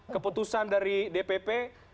keputusan dari dpp